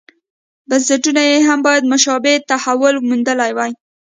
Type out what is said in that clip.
بنسټونو یې هم باید مشابه تحول موندلی وای.